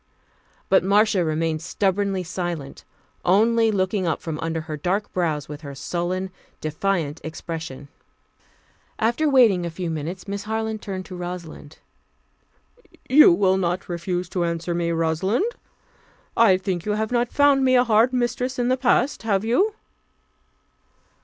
But Marcia remained stubbornly silent, only looking up from under her dark brows with her sullen, defiant expression. After waiting a few minutes, Miss Harland turned to Rosalind. "You will not refuse to answer me, Rosalind? I think you have not found me a hard mistress in the past, have you?"